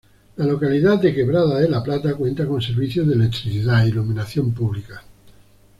La localidad de Quebrada de la Plata cuenta con servicio de electricidad, iluminación publica.